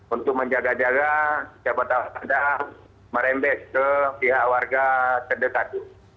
untuk menjaga jaga siapa tahu ada merembes ke pihak warga terdekat